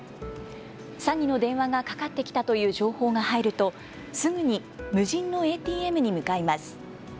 詐欺の電話がかかってきたという情報が入るとすぐに無人のＡＴＭに向かいます。